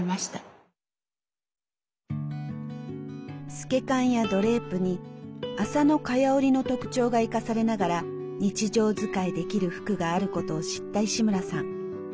透け感やドレープに麻の蚊帳織の特徴が生かされながら日常使いできる服があることを知った石村さん。